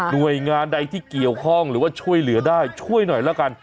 โดยงานใดที่เกี่ยวข้องหรือว่าช่วยเหลือได้ช่วยหน่อยแล้วกัน